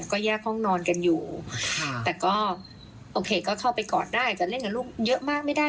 ก็แยกห้องนอนกันอยู่ค่ะแต่ก็โอเคก็เข้าไปกอดได้อาจจะเล่นกับลูกเยอะมากไม่ได้